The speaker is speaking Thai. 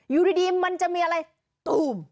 อยู่ดีมันจะมีอะไรตูม